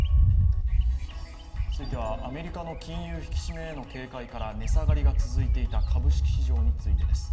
続いてはアメリカの金融引き締めへの警戒から値下がりが続いていた株式市場についてです。